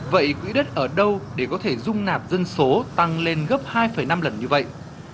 vậy quỹ đất ở đâu để có thể dung nạp dân số tăng lên gấp hai năm lần như vậy